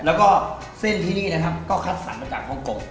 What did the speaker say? แล้วก็เส้นที่นี่นะครับก็คัดสรรมาจากฮ่องกง